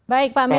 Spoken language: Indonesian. baik pak melki